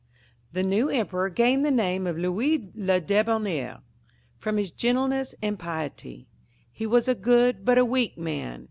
The new emperor gained the name of Louis le D^bonnaire from his gentleness and piety. He was a good but a weak man.